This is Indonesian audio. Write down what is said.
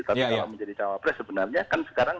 tapi kalau menjadi cawapres sebenarnya kan sekarang